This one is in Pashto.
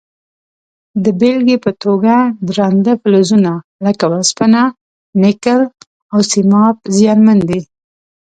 د بیلګې په توګه درانده فلزونه لکه وسپنه، نکل او سیماب زیانمن دي.